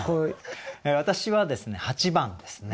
私はですね８番ですね。